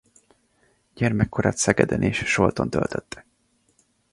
Gyermekkorát Szegeden és Solton töltötte.